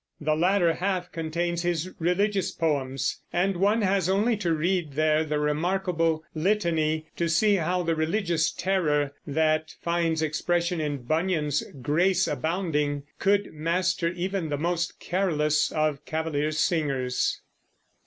The latter half contains his religious poems, and one has only to read there the remarkable "Litany" to see how the religious terror that finds expression in Bunyan's Grace Abounding could master even the most careless of Cavalier singers.